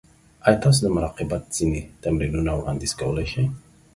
ایا تاسو د مراقبت ځینې تمرینونه وړاندیز کولی شئ؟